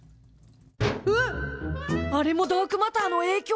あれもダークマターの影響？